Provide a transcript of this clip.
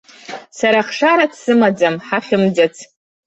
Сара ахшара дсымаӡам, ҳахьымӡац.